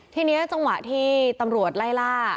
ทีนี้จังหวะที่ตำรวจไล่ล่า